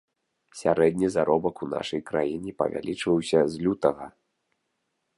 Сярэдні заробак у нашай краіне павялічваўся з лютага.